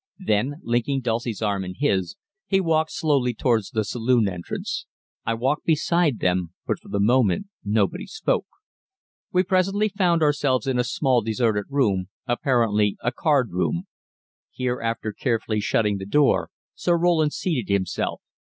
Then, linking Dulcie's arm in his, he walked slowly towards the saloon entrance. I walked beside them, but for the moment nobody spoke. We presently found ourselves in a small, deserted room, apparently a card room. Here, after carefully shutting the door, Sir Roland seated himself.